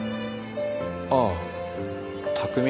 ああ拓海